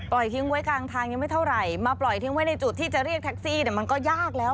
ทิ้งไว้กลางทางยังไม่เท่าไหร่มาปล่อยทิ้งไว้ในจุดที่จะเรียกแท็กซี่เนี่ยมันก็ยากแล้ว